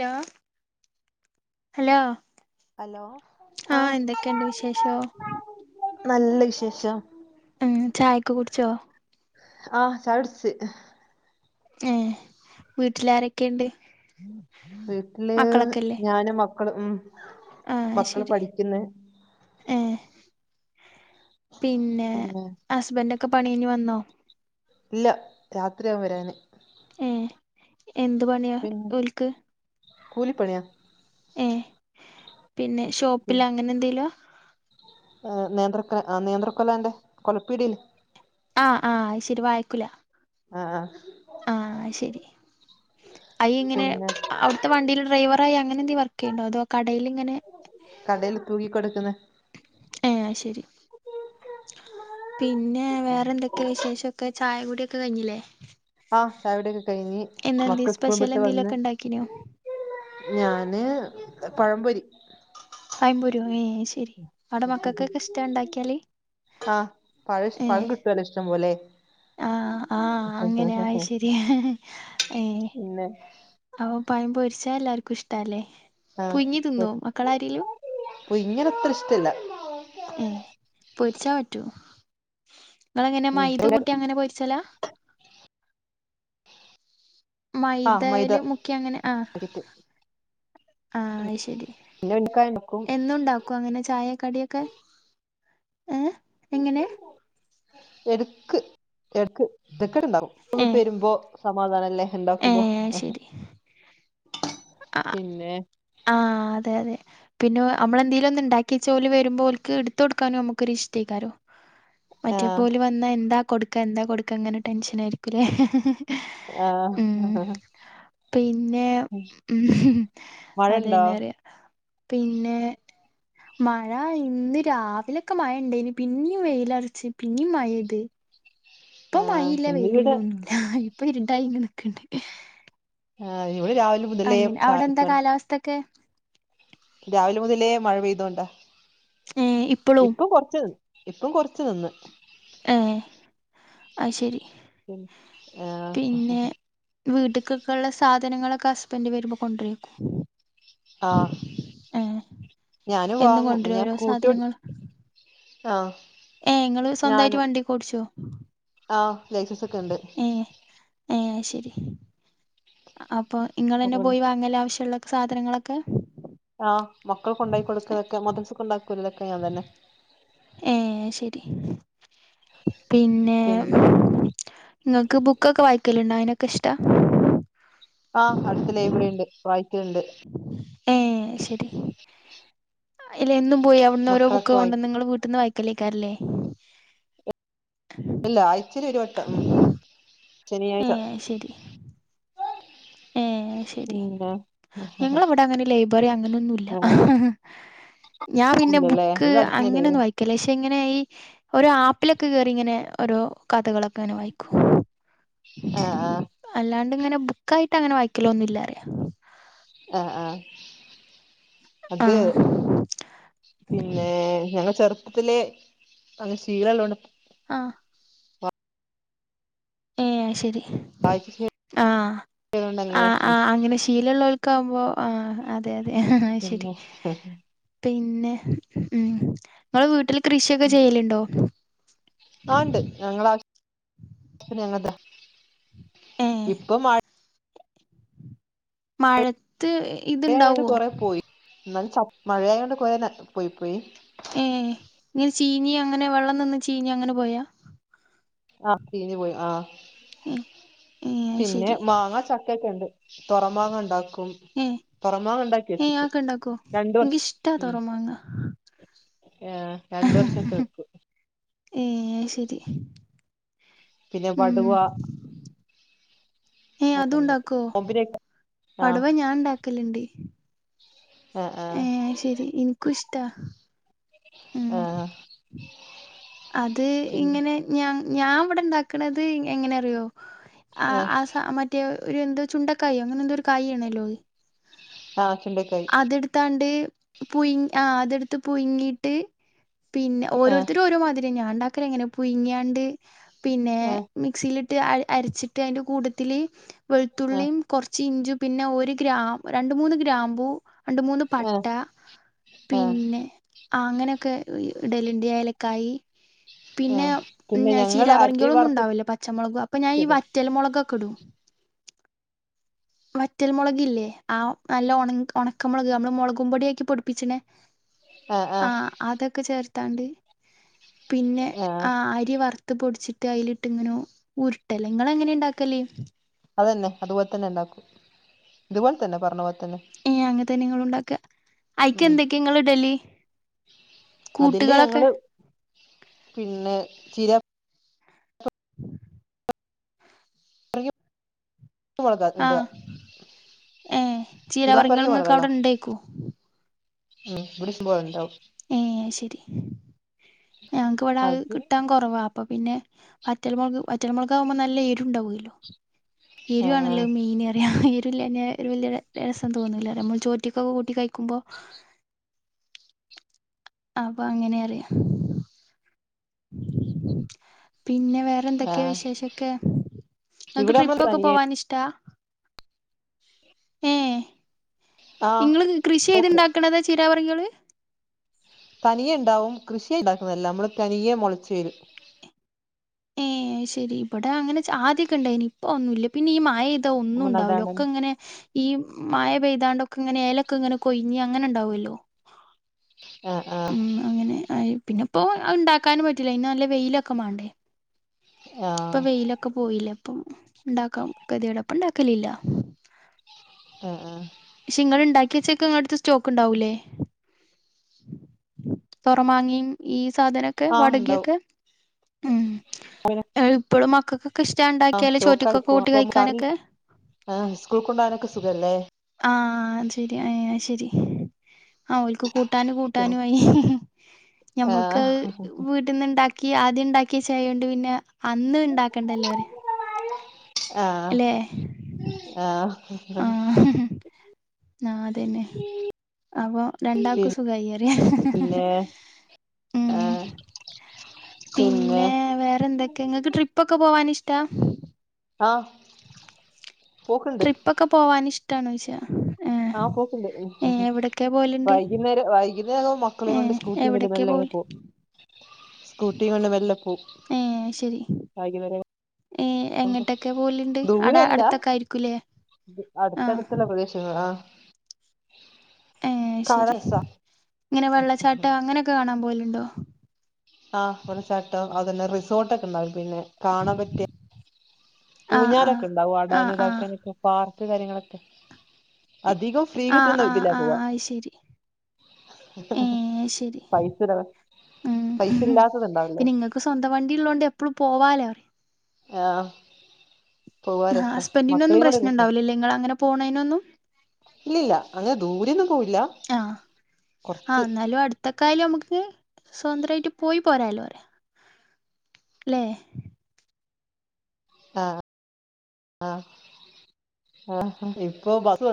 Hello hello hello ആഹ് ആഹ എന്തൊക്കെയുണ്ട് വിശേഷോ നല്ല വിശേഷം ഉം ചായൊക്കെ കുടിച്ചോ ആഹ് ചായ കുടിച് ഏ വീട്ടിൽ ആരൊക്കെയുണ്ട് വീട്ടില് ഞാനും മക്കള് ഉം ആഹ മക്കള് അയ്ശരി പഠിക്കുന്ന് ഏഹ് പിന്നെ ഹസ്ബൻഡ് ഒക്കെ പണി കയിഞ്ഞ് വന്നോ ഇല്ല രാത്രിയാവും വരാന് ഏ എന്ത് പണിയാ ഓല്ക്ക്‌ കൂലി പണിയാ ഏ പിന്നെ ഷോപ്പില അങ്ങനെ എന്തെലും ആ നേന്ത്രക്കൊല നേന്ത്രക്കൊലെന്റെ കൊലപ്പീടിയില് ആഹ് ആഹ ശരി വായക്കുല ആഹ ആഹാ അയി ഇങ്ങനെ അവിടുത്തെ വണ്ടിയില് ഡ്രൈവറായി അങ്ങനെ എന്തേ വർക്ക് ചെയ്യണ്ടോ അതോ കടേൽ ഇങ്ങനെ കടൽ തൂങ്ങി കെടുക്കുന്ന ഏഹ് ശരി പിന്നെ വേറെന്തക്കെയാ വിശേഷക്കെ ചായ കുടിയൊക്കെ കഴിഞ്ഞില്ലേ ആഹ് ചായുടിയൊക്കെ കഴിഞ്ഞ് ഇന്നെന്തിയെ മക്കൾ സ്കൂൾ സ്പെഷ്യൽ വിട്ട് എന്തേലു വന്ന് ഒക്കെ ഉണ്ടാക്കിനോ? ഞാന് പഴം പൊരി. പയംപൊരിയൊ ഏ ശരി അവിടെ മക്കൾക്കൊക്കെ ഇഷ്ടാ ഉണ്ടാക്കിയാല് ആഹ് പഴ പഴം കിട്ടുവല്ലോ ഇഷ്ടം പോലെ ആ ആഹ അങ്ങനെ അയ്ശരി ഏഹ് പിന്നെ അപ്പൊ പയം പൊരിച്ച എല്ലാർക്കും ഇഷ്ടല്ലേ പുയിങ്ങി തിന്നോ മക്കള് ആരേലും പുയിങ്ങ്യത് അത്ര ഇഷ്ടല്ല ഏ പൊരിച്ചാ പറ്റോ ഇങ്ങള് എങ്ങനെ ഉം മൈദ കൂട്ടി അങ്ങനെ പൊരിച്ചലാ ആഹ് മൈദൽ മൈദ മുക്കി അങ്ങനെ ആഹ പാക്കറ്റ് അയിശരി [unintelligible] എന്നും ണ്ടാക്കോ അങ്ങനെ ചായ ക്കടിയൊക്കെ ഏഹ് എങ്ങനെ? എട്ക്ക് എട്ക്ക് എടുക്കട്ടണ്ടാവും [inaudible] വിട്ട് ഏഹ് വരുമ്പോ- സമാധാനല്ലേ ഉണ്ടാക്കുമ്പോ ഏഹ് ശരി ആഹ് പിന്നെ ആഹ് അതെ അതെ പിന്നെ നമ്മളെന്തേലും ഒന്ന് ഉണ്ടാക്കിയച്ച ഓൽ വരുമ്പോ ഓല്ക്ക് ഇട്തൊടുക്കാനും നമുകോരിഷ്ട്ട യ്ക്കാരം. മറ്റേ ആഹ് പോലും വന്നാ എന്താ കൊടുക്കാ എന്താ കൊടുക്കാ ഇങ്ങനെ ടെൻഷൻ ആയിരിക്കൂലേ.. ആഹ് ആഹ് പിന്നെ ഉം മഴണ്ടോ അതന്നെറിയ പിന്നെ- മഴ ഇന്ന് രാവിലൊക്കെ മഴ ഉണ്ടേന്. പിന്നീ വെയിലറിച്ച് പിന്നിയും മഴയ്ത് ഇപ്പൊ ആഹ് മഴയില്ല, വെയിലൂല്ല ഇന്നിവിടെ ഒന്നുല്ല. ഇപ്പൊ ഇരുടായിങ്ങ നെ നിക്ക്ണ്ട്. ആ ഇവൻ രാവിലെ- മുതലേ [unintelligible] അവിടെ എന്താ ചാറ്റലാണ് കാലാവസ്ഥൊക്കെ? രാവിലെ മുതലേ മഴ പെയ്തോണ്ടാ ഏ ഇപ്പളും ഇപ്പൊ കൊറച്ച് - ഇപ്പം കൊറച്ച് നിന്ന് ഏഹ് അയ് ശരി ആഹ് വീട്ട്കൊക്കെള്ള സാധനങ്ങളൊക്കെ ഹസ്ബൻഡ് വരുമ്പോ കൊണ്ടരയ്ക്കും. ആഹ് ഞാനും എന്നും വാങ്ങും കൊണ്ടരോ ഞാൻ ഓരോ സ്കൂട്ടിയോടി സാധനങ്ങൾ - ആഹ് ഏ ങ്ങള് സ്വന്തായ്ട്ട് വണ്ടിയൊക്കെ ഓടിച്ചോ? ആ ലൈസൻസ് ഒക്കെ ഉണ്ട്. ഏ ഏ ശരി. അപ്പൊ ഇങ്ങൾ തന്നെ അപ്പൊ പോയി വാങ്ങലാ ആവശ്യമുള്ളെ സാധനങ്ങളൊക്കെ? ആഹ് മക്കളെ കൊണ്ടാ കൊടുക്കലൊ ക്കെ മദ്ത്രസ കൊണ്ടാക്കുലെക്കെ ഞാൻ തന്നെ. ഏ ശരി പിന്നെ.. ഇങ്ങക്ക് ബുക്കൊക്കെ വായിക്കലു ണ്ടോ? അതിനൊക്കെ ഇഷ്ടാ.. ആഹ അടുത്ത് ലൈബ്രറി ഉണ്ട്. വായി ക്കൽണ്ട്. ഏ ശരി. അല്ല എന്നും പോയി അവിടുന്ന് ഓരോ ബുക്ക് മക്കളൊക്കെ കൊണ്ടന്ന് വായിക്കും ഇങ്ങൾ വീട്ടീന്ന് വായിക്കലേക്കാരല്ലേ? ഇല്ല ആഴ്ചയിൽ ഒരു വട്ടം ഉം, ഏ ശനിയാഴ്ച. ശരി ഏ ശരി പിന്നെ ഞങ്ങളവിടെ അങ്ങനെ ലൈബ്രറി അ- ങ്ങനൊന്നുല്ല. ആഹ് ഞാൻ പിന്നെ ഇല്ലല്ലേ ബുക്ക് ഇവിടെ അടുത്തന്നെ അങ്ങനെന്നു വായി- ല്ല പക്ഷെ ഇങ്ങനെ ഈ ഓരോ ആപ്പിലൊക്കെ കേറി ഇങ്ങനെ ഓരോ കഥകളൊക്കെ- കനെ വായിക്കു. ആഹ് ആഹ് അല്ലാണ്ട് ഇങ്ങനെ ബു - ക്കായിട്ട് അങ്ങനെ വായിക്കലോന്നില്ലറിയാ. ആഹ ആഹ അത് ആഹ് പിന്നെ.. ഞങ്ങ ചെറുപ്പ- പത്തിൽ അങ്ങനെ ശീലള്ളോണ്ട്പ്പ ആഹ ഏ ശരി ആഹ ണ്ട് ആഹാ അങ്ങനെ ആഹാ അങ്ങനെ ശീലള്ളോല്ക്ക്‌ ആവുമ്പോ ആഹ അതെ അതെ ആഹ ശരി പിന്നെ പിന്നെ, ഉം നിങ്ങൾ വീട്ടില് കൃഷിയൊക്കെ ചെയ്യലുണ്ടോ? ആണ്ട്, ഞങ്ങളവി സ ത്തിന് ഞാ ങ്ങൾ തെ ഏഹ് ഇപ്പൊ മഴ - മഴത്ത്- മഴയോണ്ട് ഇത്ണ്ടാവോ കൊറേ പോയി. എന്നാലുംചാ മഴായൊണ്ട് കൊറേ പോയി പോയി. ഏ ഇങ്ങനെ ചീഞ്ഞു അങ്ങനെ വെള്ളം നിന്ന് ചീഞ്ഞു അങ്ങനെ പോയാ. ആഹ് ചീഞ്ഞുപോയി. ആ ഏഹ് ഏഹ് അത് പിന്നെ, ശരി മാങ്ങ ചക്ക ഒക്കെ ണ്ട്. തൊറമാങ്ങാ ഉണ്ടാക്കും. [unintelligible] ഏയ് ആക്കണ്ടാക്കോ എനിക്കിഷ്ടാ തൊറമാങ്ങ ആഹ രണ്ട്‌ വർഷക്ക വക്കും ഏ അയ്ശരി പിന്നെ വടുവ [unintelligible] പടുവ ഞാണ്ടാക്കലണ്ട് ആഹ് ആഹ് ആയ് ശരി ഇൻക്കുഷ്ടാ ആഹ് അത് പിന്നെ ഇങ്ങനെ ഞാ ഞാവിടെണ്ടാക്കണത് എങ്ങനെറിയോ ആ ആഹ് ആ മറ്റേ ഒരു എന്ത ചുണ്ടക്കായോ അങ്ങനെ എന്തോരു കായാണലോ അത് ആഹ് ചുണ്ടക്കായി അതെടു ത്താണ്ട് പുയ് ആ അതെടുത്ത് പുയിങ്ങിട്ട് പിന്നെ ആഹ് ഓരോരുത്തരും ഓരോ ഞാണ്ടാക്കരങ്ങനെ പുഴുങ്ങിയാണ്ട് പിന്നെ ആഹ് മിക്സീലിട്ട് അ അരച്ചിട്ട് അയ്ൻ്റെ കൂട്ടത്തില് ആഹ് വെളുത്തുള്ളീം കൊറച്ച് ഇഞ്ചും പിന്നെ ഒര് ഗ്രാം രണ്ട് മൂന്ന് ഗ്രാമ്പൂ രണ്ട്മൂന്ന് ആഹ് പട്ട ആഹ് പിന്നെ അങ്ങനെയൊക്കെടല്ണ്ട് ഏലക്കായി പിന്നെ ആഹ് ഉം പിന്നെ ഞങ്ങള് അരി ചീരാപറങ്കികളൊന്നും വറുത്തിടും ഉണ്ടാവില്ലേ പച്ചമുളക് അപ്പൊ ഞാൻ ഈ റ്റൽ മുളകൊക്കെയിടും വറ്റൽ മൊളകില്ലേ ആ നല്ല ഒണ ഒണക്കമുളക് നമ്മള് മൊളകും പൊടിയാക്കി പൊടിപ്പിച്ചനെ ആഹ് അതൊക്കെ ചേർത്താണ്ട് പിന്നെ ആഹ് അരി വറ് ത്ത് പൊടിച്ചിട്ട് അതിലിട്ട്ങ്ങനൊ ഉരുട്ടല് ഇങ്ങളെങ്ങനെണ്ടാക്കല് അതന്നെ അതുപോലെ തന്നെണ്ടാക്കും ഇതുപോലെ തന്നെ പറഞ്ഞ പോലെ തന്നെ ഏ അങ്ങത്തെന്നെ ങ്ങളുണ്ടാക്ക ഉം അയിക്കെന്തെക്കെയ ഇങ്ങള്ടല് അതില് കൂട്ടുകളൊക്കെ ഞങ്ങള് പിന്നെ ചീര ഉ [unintelligible] ആ ഏ ചീരാ പറങ്കികൾ നിങ്ങൾക്ക് അവിടെ ഉണ്ടേക്കോ [unintelligible] [unintelligible] ഏ അയ് ശരി ഞാങ്ങ്ക്ക് ഇവിടാ അത് കിട്ടാൻ കൊറവാ അപ്പൊ പിന്നെ വറ്റൽമൊൾക് വറ്റൽമൊളകാവുമ്പോ നല്ല എരുണ്ടാവൂല്ലോ ആ എരുവാണല്ലോ മീന് റയ എരുല്ലാതെ ഒരു വല്യ ര രസം തോന്നുല്ലല്ലോ അമ്മൾ ചോറ്റ്ക്കൊ കൂട്ടി കയ്ക്കുമ്പോ അപ്പൊ അങ്ങനെ അറയ പിന്നെ ആ വേറെന്തൊക്കെയാ വിശേഷൊക്കെ ങ്ങക്ക് ഇവിടെ നമ്മള് ട്രിപ്പൊക്കെ തനിയെ പോവാനിഷ്ടാ ഏ ആ ഇങ്ങള് കൃഷി ചെയ്തുണ്ടാക്കണത് ചീരാവറ്ങ്ങള് തനിയെണ്ടാവും. കൃഷിയായ്ണ്ടാക്കുന്നതല്ല മ്മള് തനിയെ മൊളച്ചു വരും ഏ അയ് ശരി ഇബ്ടെ അങ്ങനെ ആദ്യക്കെണ്ടായിനി. ഇപ്പൊ ഒന്നൂല പിന്നെ ഈ മയല്ലേ [unintelligible] ഒന്നും നമ്മൾ ഉണ്ടാവില്ല നടാണൻ ഒക്കെങ്ങനെ ഈ മയ പെയ്താണ്ടൊക്കെങ്ങനെ എലക്ക്ങ്ങനെ കൊഴിഞ് അങ്ങനെ ഉണ്ടാവല്ലോ ആഹ് ആഹ് അങ്ങനെ പിന്നെപ്പോ ഇണ്ടാക്കാനും പറ്റൂല്ല ഇയ്ന് നല്ല വെയിലൊക്കെ മാണ്ടേ ആ ഇപ്പൊ വെയിലൊക്കെ പോയില്ലേ ഇപ്പം ഇണ്ടാക്കാം ഗതിയോടപ്പണ്ടാക്കലില്ല ആഹ് ആഹ് പക്ഷെ നിങ്ങള്ണ്ടാക്കി വെച്ചേക്കെ നിങ്ങടുത്ത് സ്റ്റോക്ക്ണ്ടാവൂലേ തൊറമാങ്ങിയും ഈ സാധനൊക്കെ ആ ഉണ്ടാവും വടകിയൊക്കെ ഉം ഏ ഇപ്പോഴും മക്കക്ക് ഒക്കെ ഇഷ്ട ആ ഉണ്ടാക്കിയാല ചോറ്റിക്കൊക്കെ കൂട്ടി കഴിക്കാനൊക്കെ ആഹ് സ്കൂൾ കൊണ്ടോകാനൊക്കെ സുഖമല്ലേ ആഹ ശരി അ ശരി ഓൽക്ക് കൂട്ട കൂട്ടാനും പിന്നെ കൂട്ടാനും ആയി ആ ഞമ്മക്ക് ഉണ്ടാക്കി ആദ്യം ഉണ്ടാക്കിയ ചായ കൊണ്ട് പിന്നെ അന്ന് ഉണ്ടാക്കണ്ടല്ലോ ആഹ് ആഹ് ആഹ് അതന്നെ അപ്പൊ രണ്ടാകും സുഖായി ഏഹ് ഉം ആഹ് പിന്നെ വേറെ എന്തൊക്കെ ഇങ്ങക്ക് ട്രിപ്പ്‌ ഒക്കെ പോവാനിഷ്ട്ട ആഹ് പോക്ക്ണ്ട് ട്രിപ്പൊക്കെ പോവാന് ഇഷ്ട്ടാണോ ചോദിച്ച ആഹ് പോക്കുണ്ട് പോവല്ണ്ട് വൈകുന്നേരം വൈകുന്നേരം മക്കളെയും ഏ കൊണ്ട് എവിടൊക്കെ [unintelligible] പോവല് പോകും. സ്കൂട്ടി കൊണ്ട് മെല്ലെ പോകും ഏഹ് എങ്ങട്ടൊക്കെ പോവലുണ്ട്. അവിടെ അടുത്തൊക്കെ ആയിരിക്കൂല്ലേ അടുത്ത് അടുത്തുള്ള പ്രദേശങ്ങളാ ആഹ് ഏ ശരി, ഇങ്ങനെ വെള്ളച്ചാട്ടം അങ്ങനെയൊക്കെ കാണാൻ പോവാലുണ്ടോ? ആഹ് വെള്ളച്ചാട്ടം അതന്നെ റിസോർട്ട് ഒക്കെ ഉണ്ടാവും പിന്നെ കാണാൻപറ്റിയ ആ ആ ഊഞ്ഞാലൊക്കെ ഉണ്ടാവും ആ ആടാനും ആ ഒക്കെ പാർക്ക് കാര്യങ്ങളൊക്കെ അധികം ഫ്രീ ആ ആ കിട്ടുന്നില ആ പോവാൻ അയ്ശരി ഏ ശരി പൈസ ഇല്ലാത്തത് പൈസ ഉം ഇണ്ടാക്കുന്നുണ്ടോ ഇങ്ങള് പിന്നെ ഇങ്ങക്ക് സ്വന്തം വണ്ടി ഉള്ളതോണ്ട് എപ്പഴും പോകാലോ ആഹ് ആ ഹസ്ബന്റിന് ഒന്നും പ്രശ്നം ഉണ്ടാവില്ല ല്ലേ നിങ്ങൾ അങ്ങനെ പോണതിന് ഒന്നും. ഇല്ലില്ല അങ്ങനെ ദൂരെ ഒന്നും പോവില്ല കുറച്ചു ഒറ്റക്കായാലും നമ്മുക്ക് സ്വാതന്ത്രായിട്ട് പോയി പോരാലോ ല്ലെ ആഹ ആഹ് ഇപ്പൊ ബസ് വന്നു